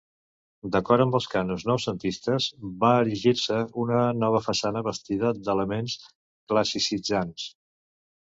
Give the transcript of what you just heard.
D'acord amb els cànons noucentistes, va erigir-se una nova façana bastida d'elements classicitzants.